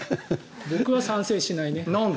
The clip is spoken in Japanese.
僕は賛成しないね。